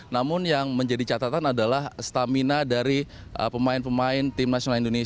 namun yang menjadi catatan adalah stamina dari pemain pemain